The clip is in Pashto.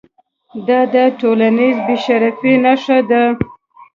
دا د ټولنیز بې شرفۍ نښه ده.